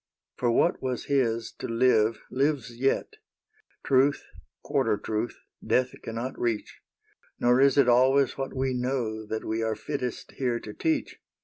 For what was his to live lives yet : Truth, quarter truth, death cannot reach ; Nor is it always what we know That we are fittest here to teach.